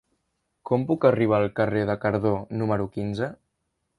Com puc arribar al carrer de Cardó número quinze?